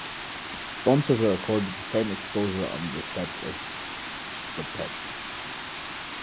Sponsors were accorded the same exposure on the set as Stopette.